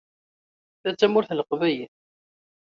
Ta d Tamurt n Leqbayel.